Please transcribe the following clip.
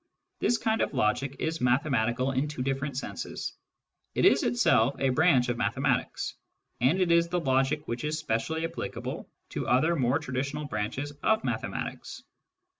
This kind of logic is mathematical in two different senses : it is itself a branch of mathematics, and it is the logic which is specially applicable to other more traditional branches of mathematics.